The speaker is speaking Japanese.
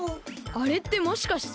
あれってもしかして。